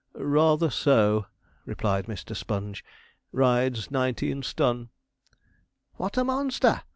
'Rather so,' replied Mr. Sponge; 'rides nineteen stun.' 'What a monster!'